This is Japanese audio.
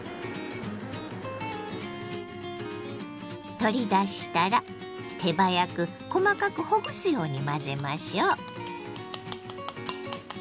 取り出したら手早く細かくほぐすように混ぜましょう。